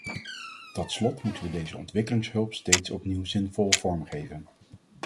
Tot slot moeten we deze ontwikkelingshulp steeds opnieuw zinvol vormgeven.